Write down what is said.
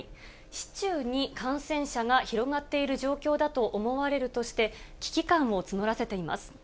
市中に感染者が広がっている状況だと思われるとして、危機感を募らせています。